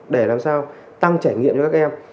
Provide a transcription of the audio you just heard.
để làm sao tăng trải nghiệm cho các em